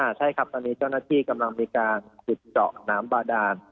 ใช่ครับตอนนี้เจ้าหน้าที่กำลังมีการขุดเจาะน้ำบาดาน